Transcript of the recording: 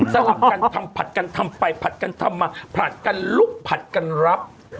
ลับกันทำผัดกันทำไปผัดกันทำมาผลัดกันลุกผัดกันรับ